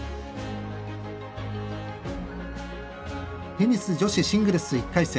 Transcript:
テニス女子シングルス１回戦。